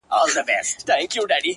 ده ناروا!!